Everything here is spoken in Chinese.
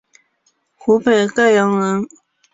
湖北沔阳人。